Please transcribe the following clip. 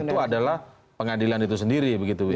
dan ukuran benar itu adalah pengadilan itu sendiri begitu ya